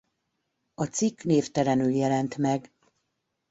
A cikk névtelenül jelent meg.